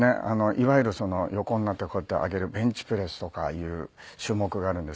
いわゆる横になってこうやって上げるベンチプレスとかいう種目があるんですけど。